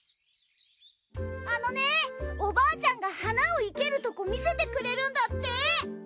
あのねおばあちゃんが花を生けるとこ見せてくれるんだって。